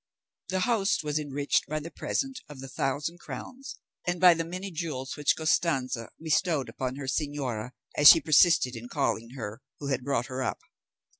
The host was enriched by the present of the thousand crowns, and by the many jewels which Costanza bestowed upon her señora, as she persisted in calling her who had brought her up.